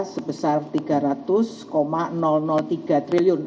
sebesar rp tiga ratus tiga triliun